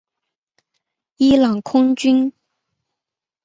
伊朗空军。